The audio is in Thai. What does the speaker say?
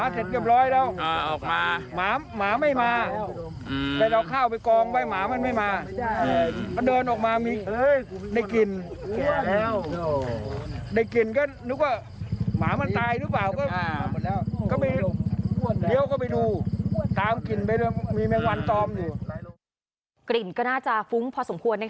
กลิ่นก็น่าจะฟุ้งพอสมควรนะครับ